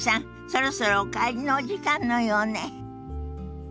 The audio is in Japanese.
そろそろお帰りのお時間のようね。